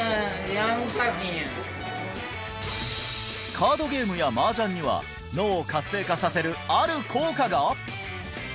カードゲームや麻雀には脳を活性化させるある効果が！？